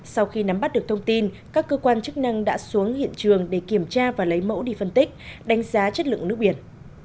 sau khi nắm bắt được thông tin các cơ quan chức năng đã xuống hiện trường để kiểm tra và lấy mẫu đi phân tích đánh giá chất lượng nước biển